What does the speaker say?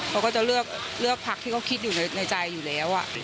เขาก็จะเลือกพักที่เขาคิดอยู่ในใจอยู่แล้ว